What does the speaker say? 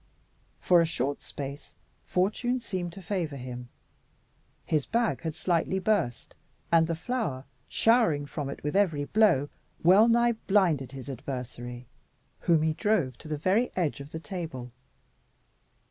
For a short space fortune seemed to favour him. His bag had slightly burst, and the flour, showering from it with every blow, well nigh blinded his adversary, whom he drove to the very edge of the table.